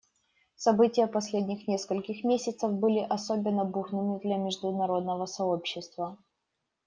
События последних нескольких месяцев были особенно бурными для международного сообщества.